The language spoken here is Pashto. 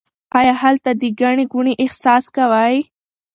آیا هلته د ګڼې ګوڼې احساس کوئ؟